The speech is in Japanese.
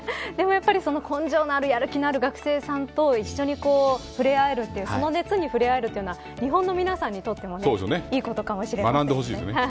やっぱり根性のあるやる気のある学生さんと一緒に触れ合えるというその熱に触れ合えるのは日本の皆さんとってもいいことかもしれませんね。